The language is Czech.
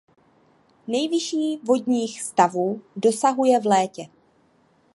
Nejvyšší vodních stavů dosahuje v létě.